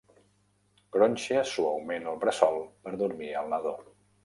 Gronxa suaument el bressol per dormir al nadó.